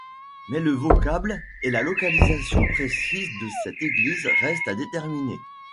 Mais le vocable et la localisation précise de cette église restent à déterminer.